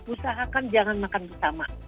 usahakan jangan makan bersama